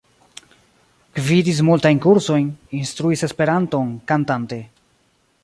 Gvidis multajn kursojn; instruis Esperanton kantante.